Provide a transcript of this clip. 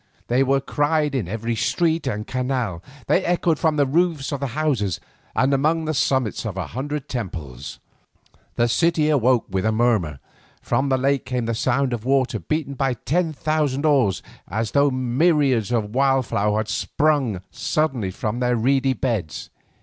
They were cried in every street and canal, they echoed from the roofs of houses, and among the summits of a hundred temples. The city awoke with a murmur, from the lake came the sound of water beaten by ten thousand oars, as though myriads of wild fowl had sprung suddenly from their reedy beds.